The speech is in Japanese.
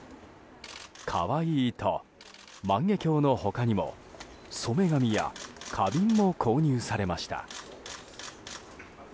可愛いと万華鏡の他にも染紙や花瓶も購入されました。